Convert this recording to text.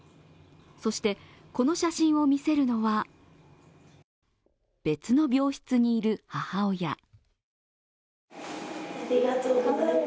そして、この写真を見せるのは別の病室にいる母親。